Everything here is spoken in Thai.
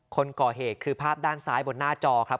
คนก่อเหตุคือภาพด้านซ้ายบนหน้าจอครับ